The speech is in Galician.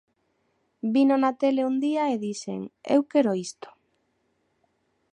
Vino na tele un día e dixen 'eu quero isto'.